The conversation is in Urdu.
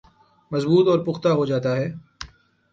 مضبوط اور پختہ ہوجاتا ہے